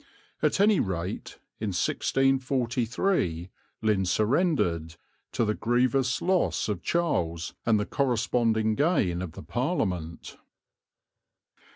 At any rate, in 1643 Lynn surrendered, to the grievous loss of Charles and the corresponding gain of the Parliament.